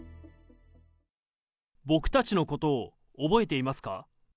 僕たちのことを覚えていますか。